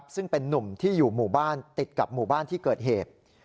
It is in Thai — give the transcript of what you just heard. ซึ่งเป็นนุ่มที่อยู่หมู่บ้านติดกับหมู่บ้านที่เกิดเหตุ